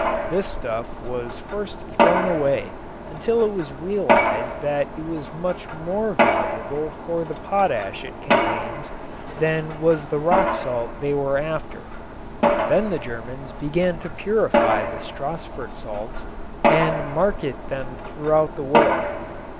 This stuff was first thrown away until it was realized that it was much more valuable for the potash it contains than was the rock salt they were after. Then the Germans began to purify the Stassfurt salts and market them throughout the world.